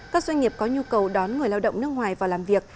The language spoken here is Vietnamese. các doanh nghiệp có nhu cầu đón người lao động nước ngoài vào làm việc